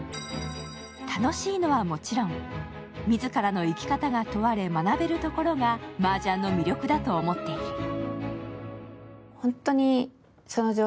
楽しいのはもちろん、自らの生き方が問われ、学べるところがマージャンの魅力だと思っている。